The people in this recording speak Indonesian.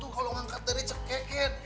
kalau ngangkat dari cek keket